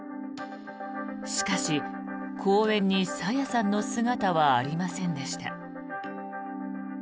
しかし公園に朝芽さんの姿はありませんでした。